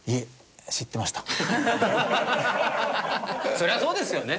そりゃそうですよね。